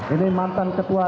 ini mantan ketua